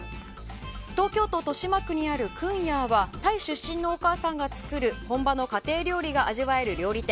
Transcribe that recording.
東京都豊島区にあるクンヤーはタイ出身のお母さんが作る本場の家庭料理が味わえる料理店。